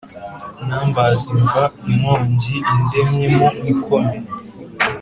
numbersmva inkongi indemyemo ikome,